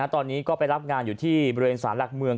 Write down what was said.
ตอนนี้ก็ไปรับงานอยู่ที่บริเวณสารหลักเมือง